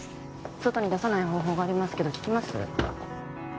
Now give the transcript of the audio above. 外に出さない方法がありますけど聞きます？